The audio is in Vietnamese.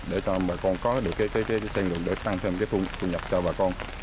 để cho mọi con có được sân lượng để tăng thêm thu nhập cho bà con